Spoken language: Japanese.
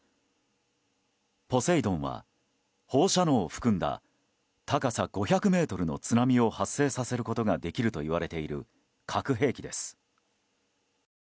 ポセイドンは、放射能を含んだ高さ５００ｍの津波を発生させることができるといわれている核兵器です。